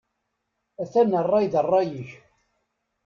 Atan rray d rray-ik.